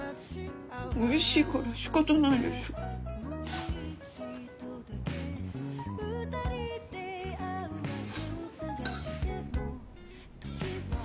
おいしいから仕方ないでしょ